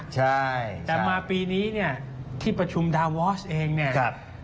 ใช่แต่มาปีนี้เนี่ยที่ประชุมดาวอสเองเนี่ย